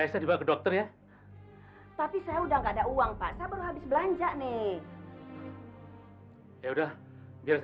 api sini aku nggak mau padamu lagi ya allah